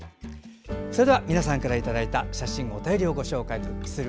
皆さんからいただいた写真やお便りをご紹介する「